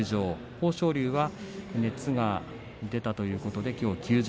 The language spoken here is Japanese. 豊昇龍は熱が出たということで休場。